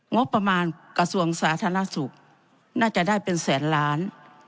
งบประมาณกระทรวงสาธารณสุขน่าจะได้เป็นแสนล้าน